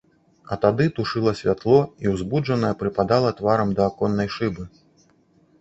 А тады тушыла святло і, узбуджаная, прыпадала тварам да аконнай шыбы.